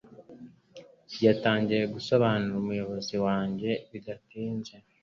yatangiye gusobanura umuyobozi wanjye bidatinze